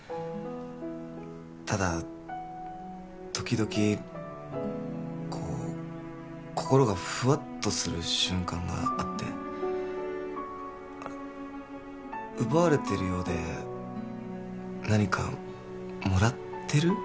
ただ時々こう心がふわっとする瞬間があって奪われてるようで何かもらってる？